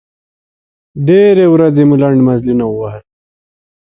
ډېرې ورځې مو لنډ مزلونه ووهل.